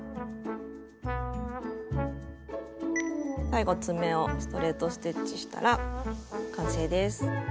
最後爪をストレート・ステッチしたら完成です。